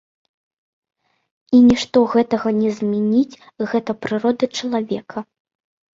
І нішто гэтага не зменіць, гэта прырода чалавека.